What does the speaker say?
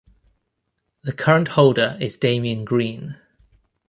The current holder is Damian Green.